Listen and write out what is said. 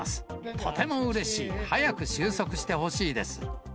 とてもうれしい、早く収束してほしいです。